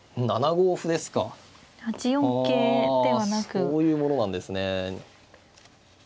そういうものなんですね。